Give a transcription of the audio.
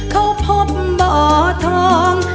เขาพบเบาะทอง